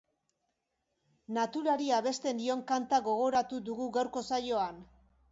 Naturari abesten dion kanta gogoratu dugu gaurko saioan.